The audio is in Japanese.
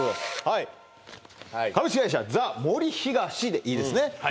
はい「株式会社ザ・森東」でいいですね